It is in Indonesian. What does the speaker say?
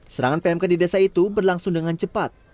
serangan pmk di desa itu berlangsung dengan cepat